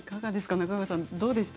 中川さん。